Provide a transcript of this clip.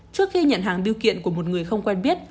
trước khi nhận hàng biêu kiện của một người không quen biết